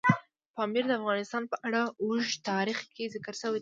پامیر د افغانستان په اوږده تاریخ کې ذکر شوی دی.